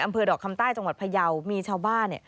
อำเภอดอกคำใต้จังหวัดพยาวมีชาวบ้าน